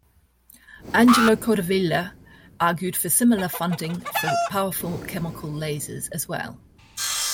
Angelo Codevilla argued for similar funding for powerful chemical lasers as well.